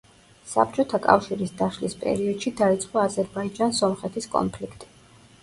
საბჭოთა კავშირის დაშლის პერიოდში დაიწყო აზერბაიჯან-სომხეთის კონფლიქტი.